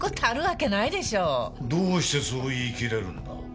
どうしてそう言い切れるんだ？